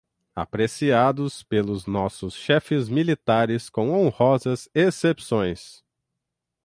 apreciados pelos nossos chefes militares com honrosas excepções